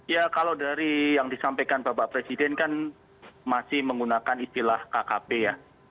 ya kalau dari yang disampaikan bapak presiden kan masih menggunakan istilah kkp ya